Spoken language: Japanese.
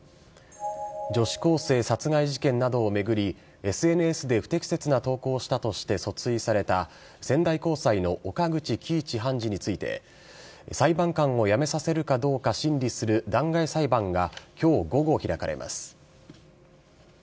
女子高生殺害事件などを巡り、ＳＮＳで不適切な投稿をしたとして訴追された、仙台高裁の岡口基一判事について、裁判官を辞めさせるかどうか審理する弾劾裁判がきょう午後、開かれます。